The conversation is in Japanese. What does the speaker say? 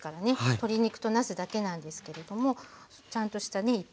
鶏肉となすだけなんですけれどもちゃんとしたね一品になりますよね。